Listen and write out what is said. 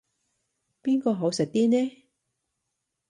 邊個好食啲呢